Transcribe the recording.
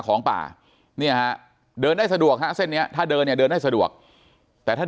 ของป่าเดินได้สะดวกนะเส้นนี้ถ้าเดินจะเดินได้สะดวกแต่ถ้า